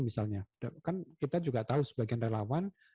misalnya kan kita juga tahu sebagian relawan